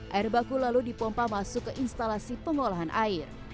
air baku lalu dipompa masuk ke instalasi pengolahan air